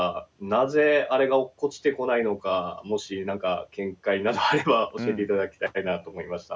なぜあれが落っこちてこないのかもし何か見解などあれば教えて頂きたいなと思いました。